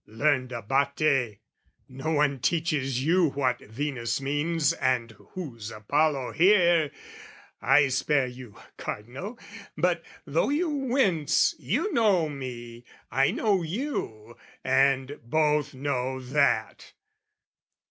Learned Abate, no one teaches you What Venus means and who's Apollo here! I spare you, Cardinal, but, though you wince, You know me, I know you, and both know that!